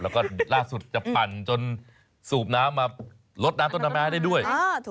แล้วก็ล่าสุดจะปั่นจนสูบน้ำมาลดน้ำต้นน้ำไม้ได้ด้วย